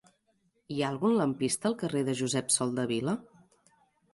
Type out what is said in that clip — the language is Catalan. Hi ha algun lampista al carrer de Josep Soldevila?